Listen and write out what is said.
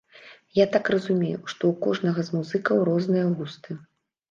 Я так разумею, што ў кожнага з музыкаў розныя густы.